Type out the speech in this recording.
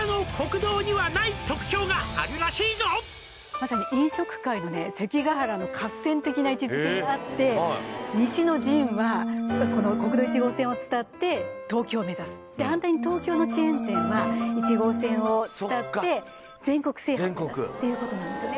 まさに的な位置づけがあって西の陣はこの国道１号線を伝って東京を目指す反対に東京のチェーン店は１号線を伝って全国制覇を目指すっていうことなんですよね